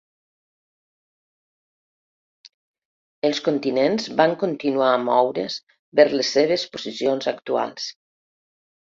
Els continents van continuar a moure's vers les seves posicions actuals.